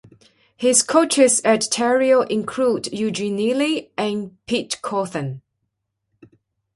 His coaches at Terrill included Eugene Neely and Pete Cawthon.